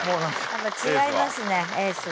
やっぱ違いますねエースは。